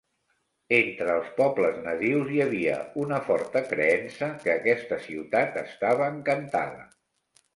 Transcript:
Entre els pobles nadius hi havia una forta creença que aquesta ciutat estava "encantada".